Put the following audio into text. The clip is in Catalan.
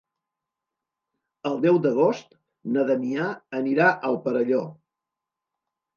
El deu d'agost na Damià anirà al Perelló.